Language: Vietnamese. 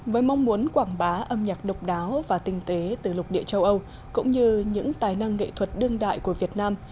với mong muốn quảng bá âm nhạc độc đáo và tinh tế từ lục địa châu âu cũng như những tài năng nghệ thuật đương đại của việt nam